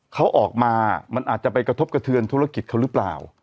เขาออกมามันอาจจะไปกระทบกระเทือนธุรกิจเขาหรือเปล่า